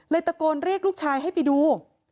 ตะโกนเรียกลูกชายให้ไปดู